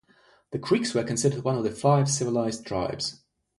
The Creeks were considered one of the Five Civilized Tribes.